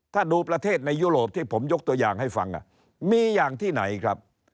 ถ้าดูประเทศในยุโรปที่ผมยกตัวอย่างให้ฟังมีอย่างที่ไหนครับ